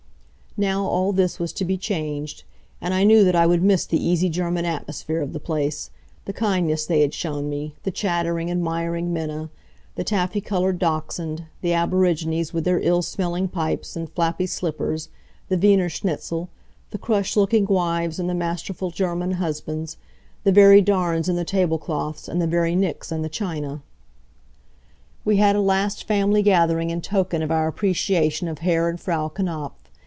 Now all this was to be changed. And I knew that I would miss the easy German atmosphere of the place; the kindness they had shown me; the chattering, admiring Minna; the taffy colored dachshund; the aborigines with their ill smelling pipes and flappy slippers; the Wienerschnitzel; the crushed looking wives and the masterful German husbands; the very darns in the table cloths and the very nicks in the china. We had a last family gathering in token of our appreciation of Herr and Frau Knapf.